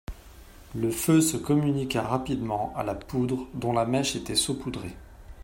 Le feu se communiqua rapidement à la poudre dont la mèche était saupoudrée.